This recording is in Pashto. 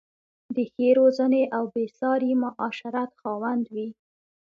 د ښې روزنې او بې ساري معاشرت خاوند وې.